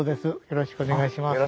よろしくお願いします。